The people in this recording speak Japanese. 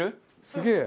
すげえ！